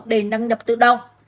để đăng nhập tự động